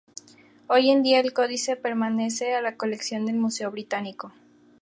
Hoy en día el códice pertenece a la colección del Museo Británico.